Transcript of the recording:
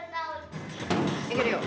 いけるよ。